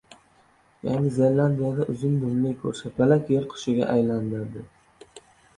Yangi Zelandiyada uzun dumli ko‘rshapalak “yil qushi”ga aylanadi